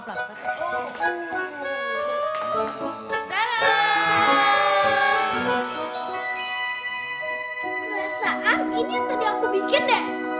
perasaan ini yang tadi aku bikin deh